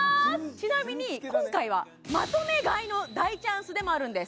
ちなみに今回はまとめ買いの大チャンスでもあるんです